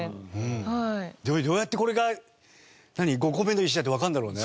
でもどうやってこれが５個目の石だってわかるんだろうね。